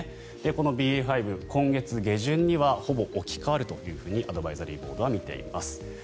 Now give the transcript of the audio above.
このＢＡ．５、今月下旬にはほぼ置き換わるというふうにアドバイザリーボードは見ています。